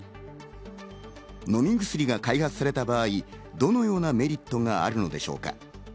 飲み薬が開発された場合、どのようなメリットがあるのでしょうか。